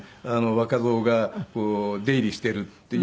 若造が出入りしているって。